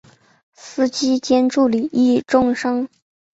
司机兼助理亦重伤。